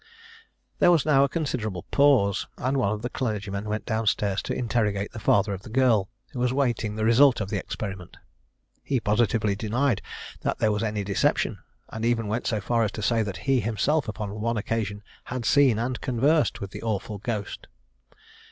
There was now a considerable pause, and one of the clergymen went down stairs to interrogate the father of the girl, who was waiting the result of the experiment. He positively denied that there was any deception, and even went so far as to say that he himself, upon one occasion, had seen and conversed with the awful ghost.